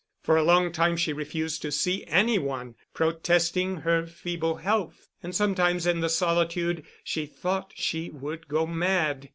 For a long time she refused to see any one, protesting her feeble health; and sometimes in the solitude she thought she would go mad.